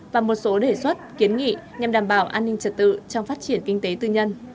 và một số đề xuất kiến nghị nhằm đảm bảo an ninh trật tự trong phát triển kinh tế tư nhân